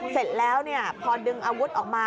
เสร็จแล้วพอดึงอาวุธออกมา